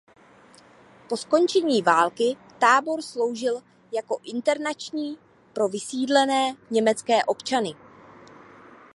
Po skončení války tábor sloužil jako internační pro vysídlené německé občany.